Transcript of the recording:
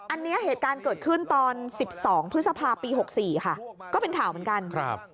อันนี้เหตุการณ์เกิดขึ้นตอน๑๒พฤษภาปี๖๔ค่ะก็เป็นข่าวเหมือนกัน